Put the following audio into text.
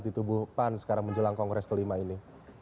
zulhah di tubuh pans sekarang menjelang kongres kelima ini